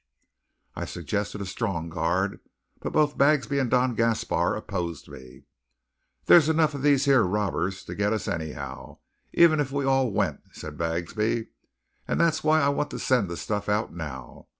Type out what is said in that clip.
I suggested a strong guard, but both Bagsby and Don Gaspar opposed me. "There's enough of these yere robbers to git us anyhow, even if we all went," said Bagsby, "and that's why I want to send the stuff out now.